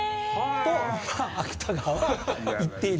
とまあ芥川は言っていると。